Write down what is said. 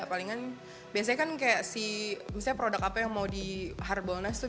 palingan biasanya kan kayak si misalnya produk apa yang mau di harbolnas tuh